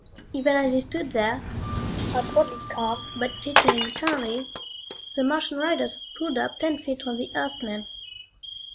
Even as he stood there, outwardly calm but jittering internally, the Martian riders pulled up ten feet from the Earthmen.